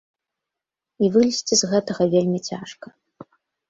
І вылезці з гэтага вельмі цяжка.